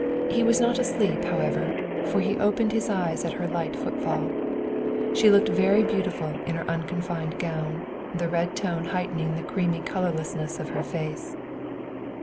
He was not asleep, however, for he opened his eyes at her light footfall. She looked very beautiful in her unconfined gown, the red tone heightening the creamy colorlessness of her face.